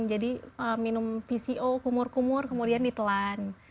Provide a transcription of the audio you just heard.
jadi minum vco kumur kumur kemudian ditelan